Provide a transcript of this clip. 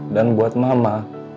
dan buat mama